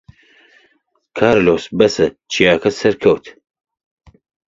کارلۆس بەسەر چیاکە سەرکەوت.